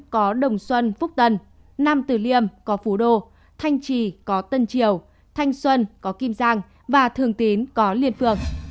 có đồng xuân phúc tân nam từ liêm có phú đô thanh trì có tân triều thanh xuân có kim giang và thường tín có liên phường